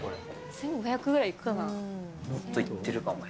１５００くらいいってるかな。